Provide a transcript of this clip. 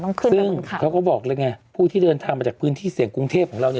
ต้องขึ้นไปบนขับซึ่งเขาก็บอกแล้วไงผู้ที่เดินทางมาจากพื้นที่เสี่ยงกรุงเทพฯของเรา